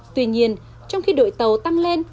tuy nhiên trong khi đội tàu tăng lên